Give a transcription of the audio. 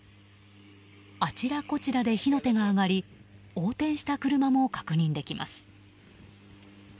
あちらこちらで火の手が上がり横転した車も確認できます。